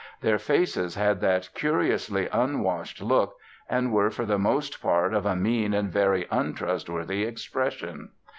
Their faces had that curiously unwashed look, and were for the most part of a mean and very untrustworthy expression.